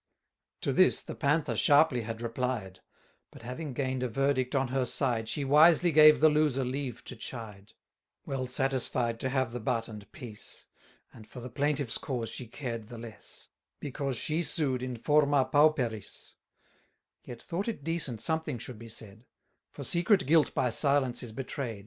To this the Panther sharply had replied; But having gain'd a verdict on her side, She wisely gave the loser leave to chide; Well satisfied to have the But and Peace, And for the plaintiff's cause she cared the less, 760 Because she sued in forma pauperis; Yet thought it decent something should be said; For secret guilt by silence is betray'd.